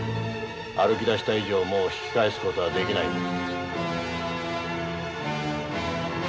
歩きだした以上もう引き返す事はできない。